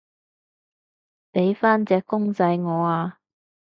畀返隻公仔我啊